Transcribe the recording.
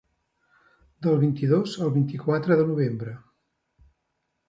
Del vint-i-dos al vint-i-quatre de novembre.